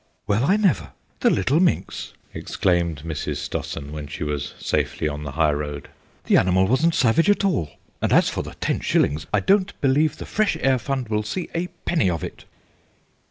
"Well, I never! The little minx!" exclaimed Mrs. Stossen when she was safely on the high road. "The animal wasn't savage at all, and as for the ten shillings, I don't believe the Fresh Air Fund will see a penny of it!"